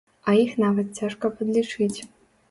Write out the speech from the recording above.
А іх нават цяжка падлічыць.